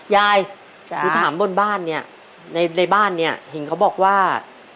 ยายคือถามบนบ้านเนี่ยในบ้านเนี่ยเห็นเขาบอกว่า